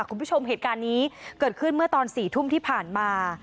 คุณผู้ชมเหตุการณ์นี้เกิดขึ้นเมื่อตอน๔ทุ่มที่ผ่านมา